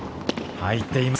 入っています。